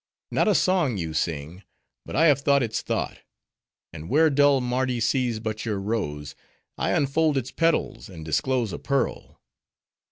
Not a song you sing, but I have thought its thought; and where dull Mardi sees but your rose, I unfold its petals, and disclose a pearl.